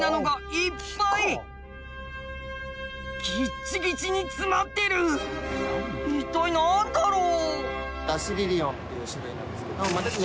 一体何だろう。